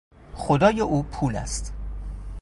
خدای او پول است.